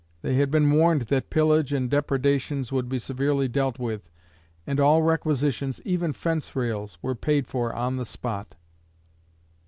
They had been warned that pillage and depredations would be severely dealt with, and all requisitions, even fence rails, were paid for on the spot.